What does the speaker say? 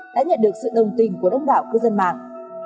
đã nhận được sự đồng tình của đông đảo cư dân mạng